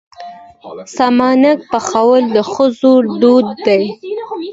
سمنک پخول د ښځو دود دی.